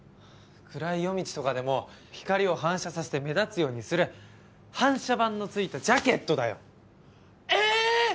暗い夜道とかでも光を反射させて目立つようにする反射板のついたジャケットだよ！ええーっ！